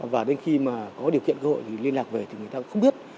và đến khi mà có điều kiện cơ hội thì liên lạc về thì người ta cũng không biết